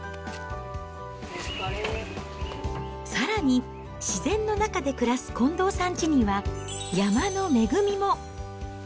さらに、自然の中で暮らす近藤さんちには、山の恵みも。